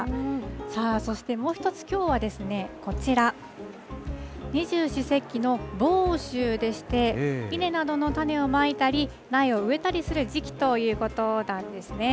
さあ、そしてもう一つ、きょうはですね、こちら、二十四節気の芒種でして、イネなどの種をまいたり、苗を植えたりする時期ということなんですね。